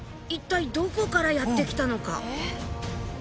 一体どこからやってきたのか。